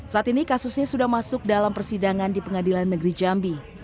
saat ini kasusnya sudah masuk dalam persidangan di pengadilan negeri jambi